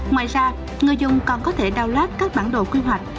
ngoài ra người dùng còn có thể download các bản đồ quy hoạch